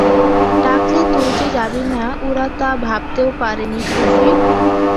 ডাকলে তুই যে যাবি না, ওরা তা ভাবতেও পারেনি শশী।